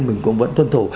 mình cũng vẫn tuân thủ